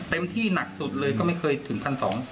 เต็มที่หนักสุดเลยก็ไม่เคยถึง๑๒๐๐